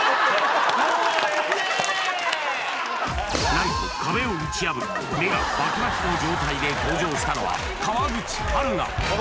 何と壁を打ち破り目がバキバキの状態で登場したのは川口春奈